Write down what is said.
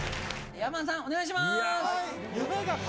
山田さん、お願いします。